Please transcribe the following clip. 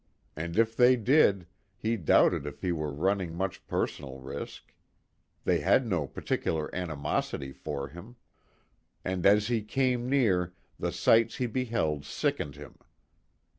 And if they did, he doubted if he were running much personal risk. They had no particular animosity for him. And as he came near, the sights he beheld sickened him.